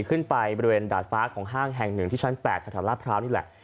ขึ้นไปบริเวณดาดฟ้าของห้างแห่งหนึ่งที่ชั้น๘แถวลาดพร้าวนี่แหละ